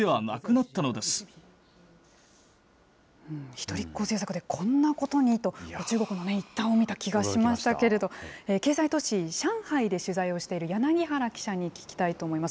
一人っ子政策でこんなことにと、中国の一端を見た気がしましたけれども、経済都市、上海で取材をしている柳原記者に聞きたいと思います。